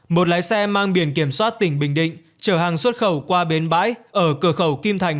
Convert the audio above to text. một lái xe mang biển kiểm soát tỉnh bình định trở hàng xuất khẩu qua bến bãi ở cửa khẩu kim thành